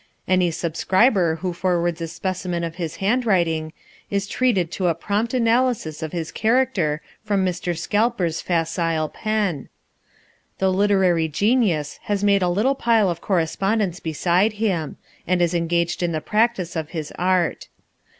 Any subscriber who forwards a specimen of his handwriting is treated to a prompt analysis of his character from Mr. Scalper's facile pen. The literary genius has a little pile of correspondence beside him, and is engaged in the practice of his art.